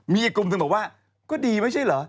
มีอีกกลุ่มหนึ่งบอกว่าก็ดีไม่ใช่เหรอ